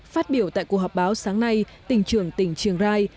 phát biểu tại cuộc họp báo sáng nay tỉnh trưởng tỉnh triềng rai